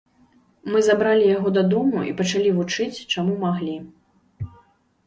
Мы забралі яго дадому і пачалі вучыць, чаму маглі.